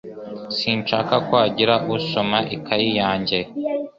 Sinshaka ko hagira usoma ikayi yanjye